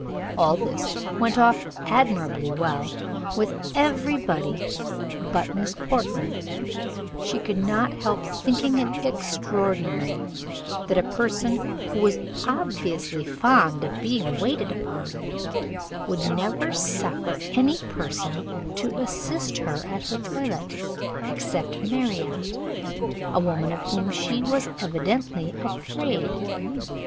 All this went off admirably well with every body but Miss Portman; she could not help thinking it extraordinary that a person who was obviously fond of being waited upon would never suffer any person to assist her at her toilet except Marriott, a woman of whom she was evidently afraid.